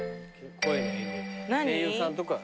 声優さんとか？